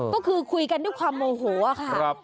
ก็คือคุยกันด้วยความโมโหค่ะ